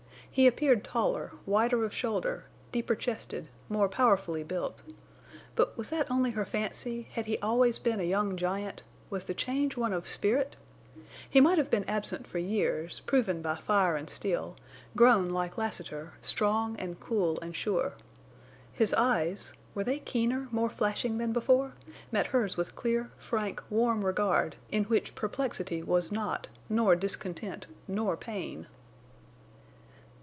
He appeared taller, wider of shoulder, deeper chested, more powerfully built. But was that only her fancy—he had always been a young giant—was the change one of spirit? He might have been absent for years, proven by fire and steel, grown like Lassiter, strong and cool and sure. His eyes—were they keener, more flashing than before?—met hers with clear, frank, warm regard, in which perplexity was not, nor discontent, nor pain.